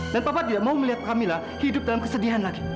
dan papa tidak mau melihat kamila hidup dalam kesedihan lagi